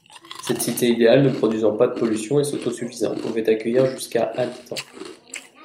Cette cité idéale ne produisant pas de pollution et s'autosuffisant pouvait accueillir jusqu'à habitants.